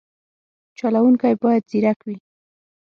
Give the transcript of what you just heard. چلوونکی باید ځیرک وي.